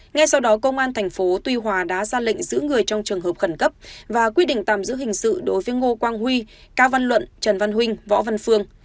ngay sau đó công an tp tuy hòa đã ra lệnh giữ người trong trường hợp khẩn cấp và quyết định tạm giữ hình sự đối với ngô quang huy cao văn luận trần văn huynh võ văn phương